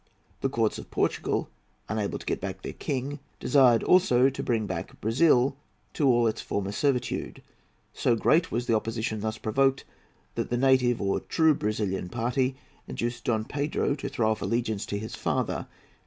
The Cortes of Portugal, able to get back their king, desired also to bring back Brazil to all its former servitude. So great was the opposition thus provoked that the native or true Brazilian party induced Don Pedro to throw off allegiance to his father.